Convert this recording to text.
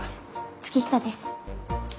月下です。